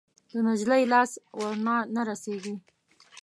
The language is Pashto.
د نجلۍ لاس ورڼا نه رسیږي